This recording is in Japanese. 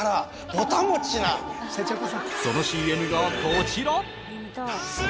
そのＣＭがこちら。